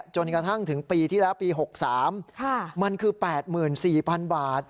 จนกระทั่งถึงปีที่แล้วปี๖๓มันคือ๘๔๐๐๐บาท